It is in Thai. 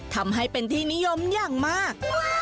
ทำให้เป็นที่นิยมอย่างมาก